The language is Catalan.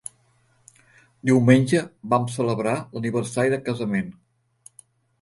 Diumenge vam celebrar l'aniversari de casament.